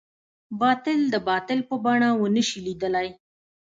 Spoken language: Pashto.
باطل د باطل په بڼه ونه شي ليدلی.